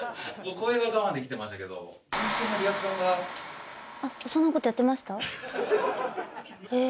声は我慢できてましたけど、あ、そんなことやってました？